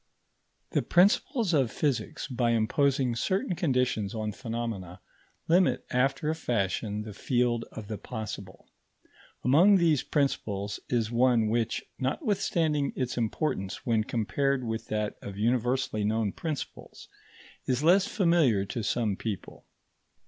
The principles of physics, by imposing certain conditions on phenomena, limit after a fashion the field of the possible. Among these principles is one which, notwithstanding its importance when compared with that of universally known principles, is less familiar to some people.